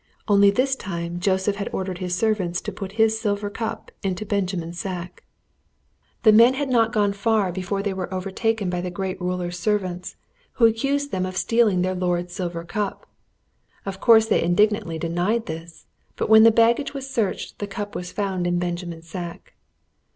Only this time Joseph had ordered his servants to put his silver cup into Benjamin's sack. The men had not gone far before they were overtaken by the great ruler's servants, who accused them of stealing their lord's silver cup. Of course they indignantly denied this; but when the baggage was searched the cup was found in Benjamin's sack.